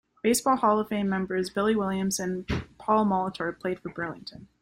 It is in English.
Baseball Hall of Fame members Billy Williams and Paul Molitor played for Burlington.